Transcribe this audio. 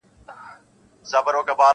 • چي تلو تلو کي معنا ستا د کتو اوړي..